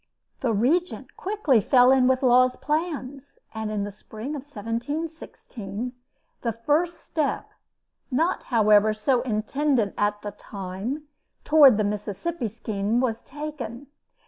The Regent quickly fell in with Law's plans; and in the spring of 1716, the first step not, however, so intended at the time toward the Mississippi Scheme was taken.